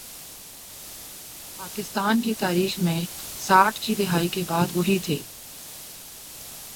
پاکستان کی تاریخ میں ساٹھ کی دہائی کے بعد، وہی تھے۔